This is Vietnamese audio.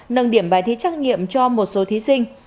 nâng điểm bài thi trắc nghiệm cho một số thí sinh